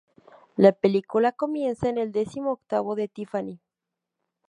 La película comienza en el decimoctavo de Tiffany.